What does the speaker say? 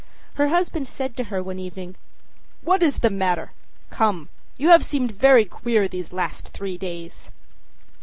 Her husband said to her one evening: âWhat is the matter? Come, you have seemed very queer these last three days.